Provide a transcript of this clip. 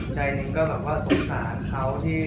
ใจหนึ่งก็แบบว่าสงสารเขาที่